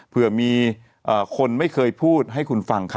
เผื่อมีคนไม่เคยพูดให้คุณฟังค่ะ